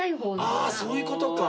あぁそういうことか。